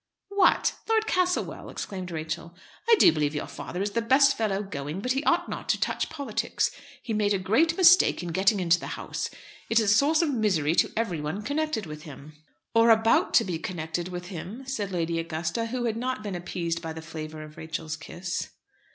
"What! Lord Castlewell," exclaimed Rachel. "I do believe your father is the best fellow going; but he ought not to touch politics. He made a great mistake in getting into the House. It is a source of misery to everyone connected with him." "Or about to be connected with him," said Lady Augusta, who had not been appeased by the flavour of Rachel's kiss.